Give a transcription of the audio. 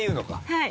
はい。